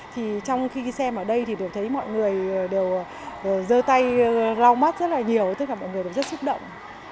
thì trong khi xem ở đây thì đều thấy mọi người đều dơ tay rau mắt rất là nhiều tất cả mọi người đều rất xúc động